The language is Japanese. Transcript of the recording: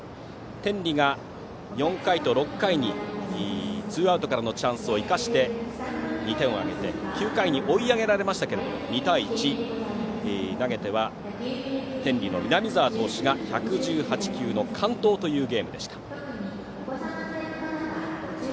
天理が４回と６回にツーアウトからのチャンスを生かして２点を挙げて９回に追い上げられましたが２対１投げては天理の南澤投手が１１８球の完投というゲームでした。